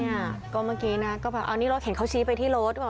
เนี่ยก็เมื่อกี้นะก็แบบอันนี้เราเห็นเขาชี้ไปที่ไหนนะครับ